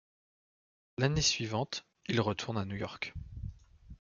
L'année suivante, il retourne à New York.